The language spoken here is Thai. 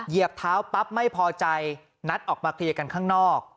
เหยียบเท้าปั๊บไม่พอใจนัดออกมาเคลียร์กันข้างนอก